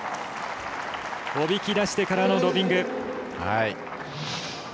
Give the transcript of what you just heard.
おびき出してからのロビング。